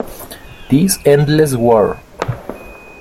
This Endless War